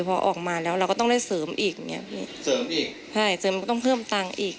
พอออกมาแล้วเราก็ต้องได้เสริมอีกอย่างเงี้พี่เสริมอีกใช่เสริมมันก็ต้องเพิ่มตังค์อีก